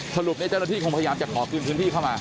สรุปเจ้าหน้าที่คงพยายามจะขอคืนพื้นที่เข้ามา